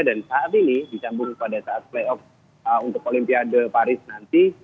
dan saat ini dicampur pada saat playoff untuk olimpiade paris nanti